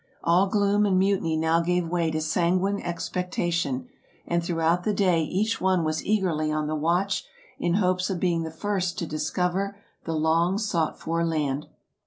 All gloom and mutiny now gave way to sanguine expectation ; and throughout the day each one was eagerly on the watch, in hopes of being the first to discover the long sought for land.